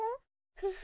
フフ。